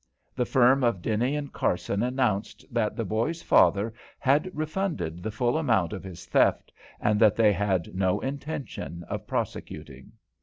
The firm of Denny & Carson announced that the boy's father had refunded the full amount of his theft, and that they had no intention of prosecuting.